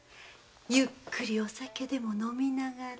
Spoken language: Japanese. ゆっくりお酒でも飲みながら。